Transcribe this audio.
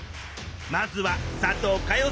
まずは佐藤かよ